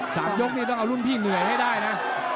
สามยกนี่ต้องเอารุ่นพี่เหนื่อยให้ได้นะ